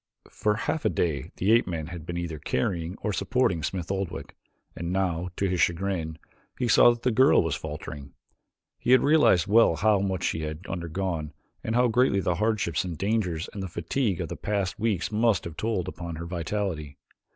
For half a day the ape man had been either carrying or supporting Smith Oldwick and now, to his chagrin, he saw that the girl was faltering. He had realized well how much she had undergone and how greatly the hardships and dangers and the fatigue of the past weeks must have told upon her vitality.